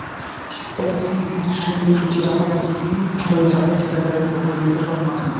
এলজিইডির একাধিক সূত্র জানায়, কাজের বিল হয়ে যাওয়ায় ঠিকাদারেরা প্রকৌশলীদের কথা মানছেন না।